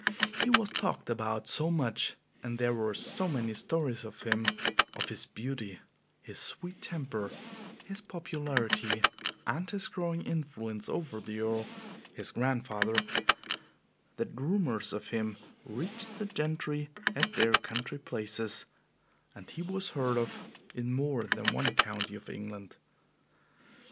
He was talked about so much and there were so many stories of him of his beauty, his sweet temper, his popularity, and his growing influence over the Earl, his grandfather that rumors of him reached the gentry at their country places and he was heard of in more than one county of England.